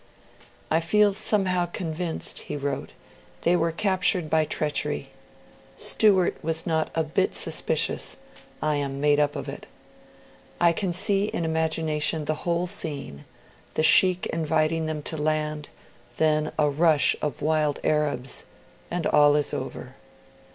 'I feel somehow convinced,' he wrote, they were captured by treachery ... Stewart was not a bit suspicious (I am made up of it). I can see in imagination the whole scene, the Sheikh inviting them to land ... then a rush of wild Arabs, and all is over!'